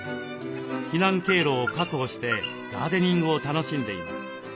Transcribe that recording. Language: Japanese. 避難経路を確保してガーデニングを楽しんでいます。